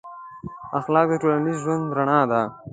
اخلاق د ټولنیز ژوند رڼا ده.